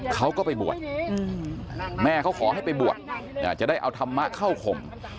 เขาก็ไปบวชแม่เขาขอให้ไปบวชจะได้เอาธรรมะเข้าข่ม